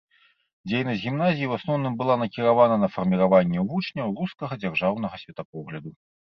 Дзейнасць гімназіі ў асноўным была накіравана на фарміраванне ў вучняў рускага дзяржаўнага светапогляду.